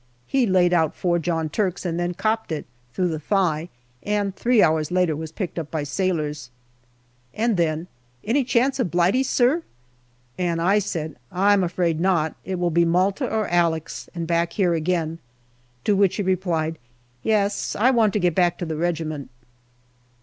He laid out four John Turks and then " copped it " through the thigh, and three hours afterwards was picked up by sailors. 3 34 GALLIPOLI DIARY And then, " Any chance of Blighty, sir ?" and I said, "I'm afraid not ; it will be Malta or Alex, and back here again," to which he replied, " Yes ; I want to get back to the regiment."